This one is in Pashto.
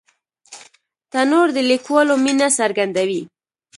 تنور د کلیوالو مینه څرګندوي